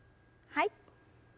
はい。